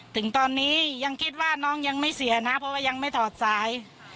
ถึงตอนนี้ยังคิดว่าน้องยังไม่เสียนะเพราะว่ายังไม่ถอดสาย